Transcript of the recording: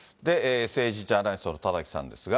政治ジャーナリストの田崎さんですが。